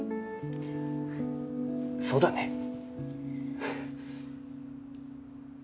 そうだね。